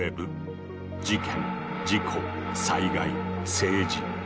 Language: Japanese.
事件事故災害政治。